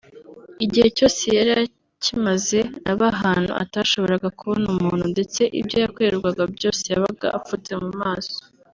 “Igihe cyose yari akimaze aba ahantu atashoboraga kubona umuntu ndetse ibyo yakorerwaga byose yabaga apfutse mu maso